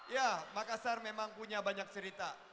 ya makassar memang punya banyak cerita